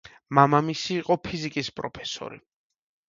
მამამისი იყო ფიზიკის პროფესორი.